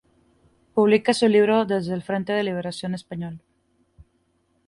Publica su libro "Desde el frente de liberación español"".